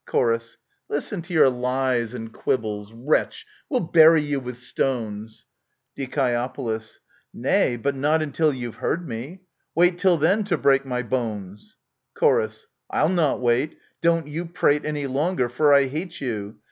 Chor. Listen to your lies and quibbles ? Wretch ! We'll bury you with stones ! Die. Nay, but not until you've heard me. Wait till then to break my bones ! Chor. I'll not wait : don't you prate Any longer ; for I hate you